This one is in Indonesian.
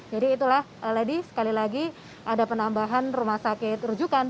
jadi itulah sekali lagi ada penambahan rumah sakit rujukan